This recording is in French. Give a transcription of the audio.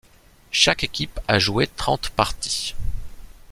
Chaque équipe a joué trente parties.